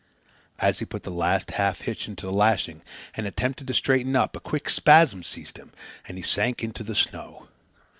And as he put the last half hitch into the lashing and attempted to straighten up, a quick spasm seized him and he sank into the snow.